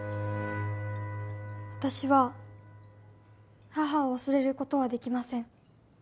私は母を忘れることはできません。